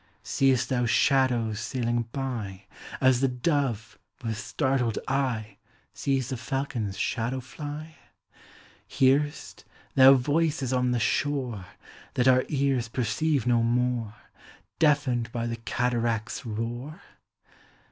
Seest thou shadows sailing by, As the dove, with startled eye, Sees the falcon's shadow fly? Hear'st thou voices on the shore, That our ears perceive no more, Deafened by the cataract's roar?